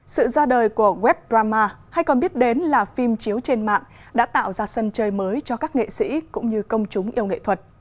sự ra đời của web drama hay còn biết đến là phim chiếu trên mạng đã tạo ra sân chơi mới cho các nghệ sĩ cũng như công chúng yêu nghệ thuật